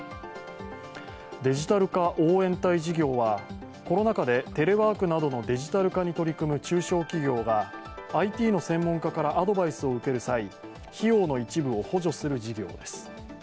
デジタル化応援隊事業はコロナ禍でテレワークなどのデジタル化に取り組む中小企業がＩＴの専門家からアドバイスを受ける際、費用の一部を補助する事業です。